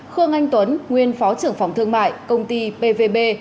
khương anh tuấn nguyên phó trưởng phòng thương mại công ty pvb